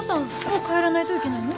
もう帰らないといけないの？